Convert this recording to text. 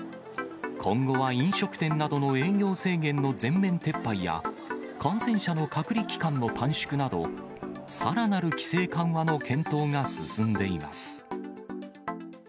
今後は飲食店などの営業制限の全面撤廃や、感染者の隔離期間の短縮など、さらなる規制緩和の検討が進んでいます。